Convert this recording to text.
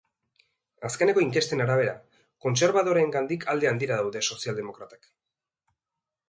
Azkeneko inkesten arabera, kontserbadoreengandik alde handira daude sozialdemokratak.